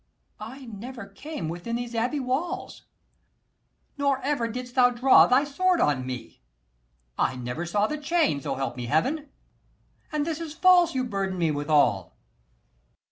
_ I never came within these abbey walls; 265 Nor ever didst thou draw thy sword on me: I never saw the chain, so help me Heaven: And this is false you burden me withal!